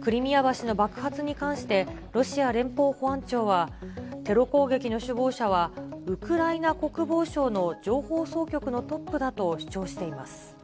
クリミア橋の爆発に関して、ロシア連邦保安庁はテロ攻撃の首謀者はウクライナ国防省の情報総局のトップだと主張しています。